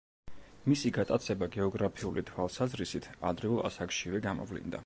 მისი გატაცება გეოგრაფიული თვალსაზრისით ადრეულ ასაკშივე გამოვლინდა.